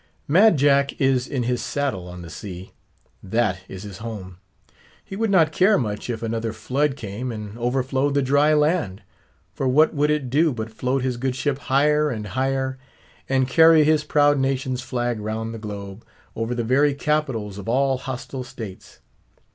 _ Mad Jack is in his saddle on the sea. That is his home; he would not care much, if another Flood came and overflowed the dry land; for what would it do but float his good ship higher and higher and carry his proud nation's flag round the globe, over the very capitals of all hostile states!